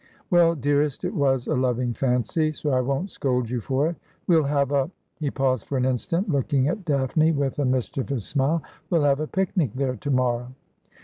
' Well, dearest, it was a loving fancy, so I won't scold you for it. "We'll have a ' He paused for an instant, looking at Daphne with a mischievous smile. ' We'll have a picnic there to morrow.'